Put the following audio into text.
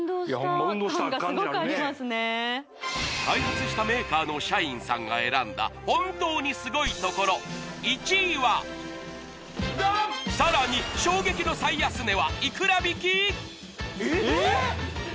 開発したメーカーの社員さんが選んだ本当にスゴいところ１位はさらに衝撃の最安値はいくら引き？ええ！？